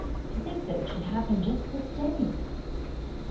To think that it should happen just this day!